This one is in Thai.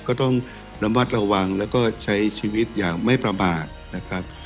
ก็ต้องระมัดระวังแล้วก็ใช้ชีวิตอย่างไม่ประมาทนะครับ